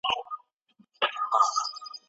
طبيعي خواړه د ژوند موده اوږدوي.